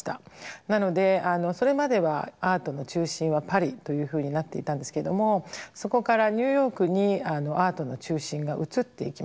なのでそれまではアートの中心はパリというふうになっていたんですけどもそこからニューヨークにアートの中心が移っていきます。